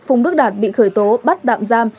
phùng đức đạt bị khởi tố bắt tạm giam